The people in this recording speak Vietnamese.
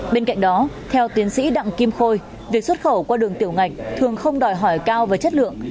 bên cạnh đó theo tiến sĩ đặng kim khôi việc xuất khẩu qua đường tiểu ngạch thường không đòi hỏi cao về chất lượng